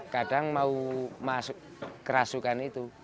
kadang mau masuk ke rasukan itu